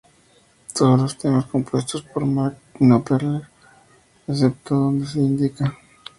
Todos los temas compuestos por Mark Knopfler excepto donde se indica.